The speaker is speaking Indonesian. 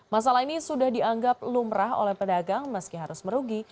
masalah ini sudah dianggap lumrah oleh pedagang meski harus merugi